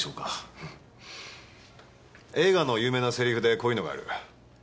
映画の有名なせりふでこういうのがある。